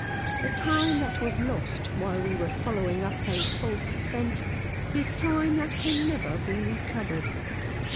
"The time that was lost while we were following up a false scent is time that can never be recovered.